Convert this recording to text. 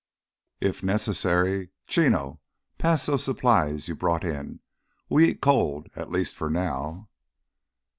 "If necessary, Chino, pass those supplies you brought in. We eat cold, at least for now."